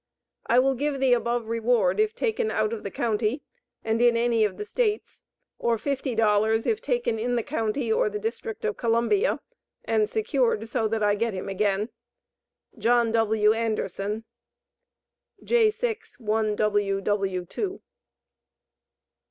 I will give the above reward if taken out of the county, and in any of the States, or fifty dollars if taken in the county or the District of Columbia, and secured so that I get him again. JOHN W. ANDERSON. j6 1wW2.